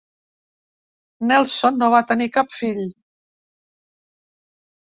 Nelson no va tenir cap fill.